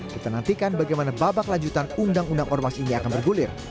kita nantikan bagaimana babak lanjutan undang undang ormas ini akan bergulir